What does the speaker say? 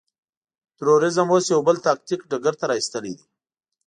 تروريزم اوس يو بل تاکتيک ډګر ته را اېستلی دی.